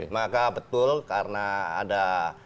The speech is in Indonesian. maka betul karena ada